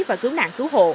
và cứu nạn cứu hộ